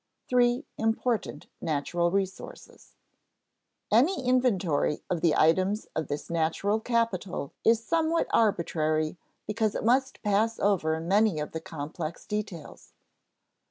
[Sidenote: Three important natural resources] Any inventory of the items of this natural capital is somewhat arbitrary because it must pass over many of the complex details.